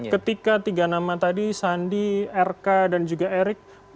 ketika tiga nama tadi sandi rk dan juga erik